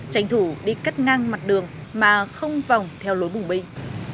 tránh thủ đi cất ngang mặt đường mà không vòng theo lối bùng binh